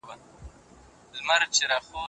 پر ذمي تجاوز کول لویه ګناه ده.